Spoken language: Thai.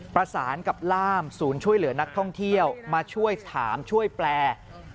ประสานกับล่ามศูนย์ช่วยเหลือนักท่องเที่ยวมาช่วยถามช่วยแปล